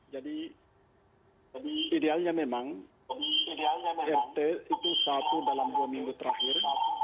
jadi idealnya memang rt itu satu dalam dua minggu terakhir